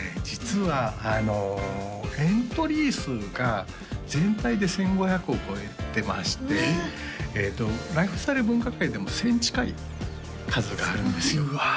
実はエントリー数が全体で１５００を超えてましてライフスタイル分科会でも１０００近い数があるんですよ